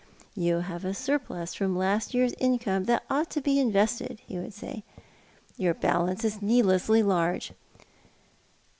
'• You have a surplus from last year's income that ought to l>e investe*!,'" he would say. " Your balance is needlessly large."